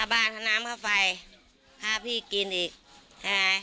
บ้านเขาน้ำค่าไฟพาพี่กินอีกใช่ไหม